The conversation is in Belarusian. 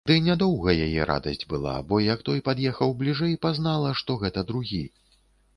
Ды нядоўга яе радасць была, бо як той пад'ехаў бліжэй, пазнала, што гэта другі.